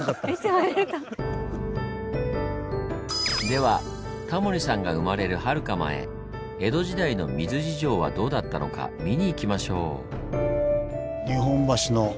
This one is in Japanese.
ではタモリさんが生まれるはるか前江戸時代の水事情はどうだったのか見に行きましょう。